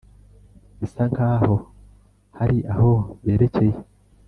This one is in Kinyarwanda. bisa nkaho hari aho berekeye